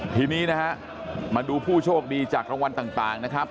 ทีนี้นะฮะมาดูผู้โชคดีจากรางวัลต่างนะครับ